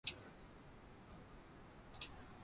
独眼竜政宗